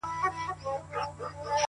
د مرور روح د پخلا وجود کانې دي ته ـ